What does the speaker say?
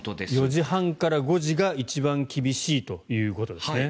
４時半から５時が一番厳しいということですね。